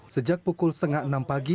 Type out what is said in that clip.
sejak pukul setengah enam pagi